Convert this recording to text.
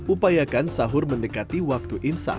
upayakan sahur mendekati waktu imsam